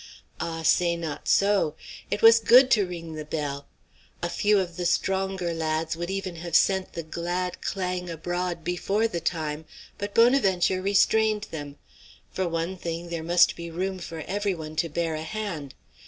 Ah! say not so! It was good to ring the bell. A few of the stronger lads would even have sent the glad clang abroad before the time, but Bonaventure restrained them. For one thing, there must be room for every one to bear a hand.